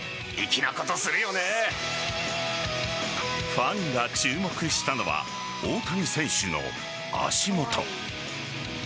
ファンが注目したのは大谷選手の足元。